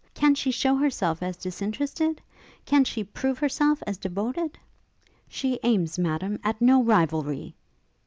can she show herself as disinterested? can she prove herself as devoted? ' 'She aims, Madam, at no rivalry!'